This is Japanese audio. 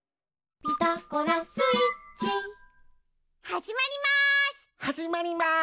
はじまります！